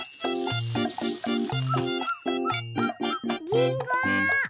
りんご！